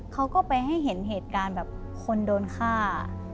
เขาก็ไปให้เห็นเหตุการณ์แบบคนโดนฆ่า